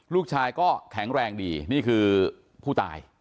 ลูกชายก็แข็งแรงดีนี่คือผู้ตาย